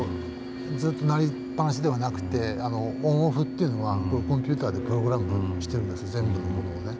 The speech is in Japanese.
ずっと鳴りっぱなしではなくてオン・オフっていうのはコンピューターでプログラムしてるんです全部のものを。